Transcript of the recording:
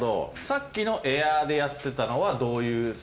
さっきのエアでやってたのはどういう作業なんですか？